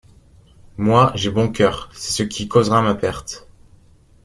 Moi, j’ai bon cœur, c’est ce qui causera ma perte…